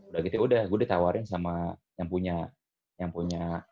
udah gitu ya udah gue ditawarin sama yang punya yang punya